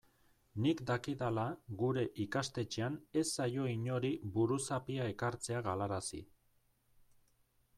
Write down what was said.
Nik dakidala gure ikastetxean ez zaio inori buruzapia ekartzea galarazi.